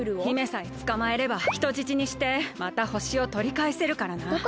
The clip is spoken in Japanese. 姫さえつかまえれば人質にしてまたほしをとりかえせるからな。